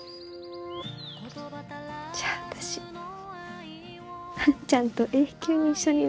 じゃあ私万ちゃんと永久に一緒にいれるんですね。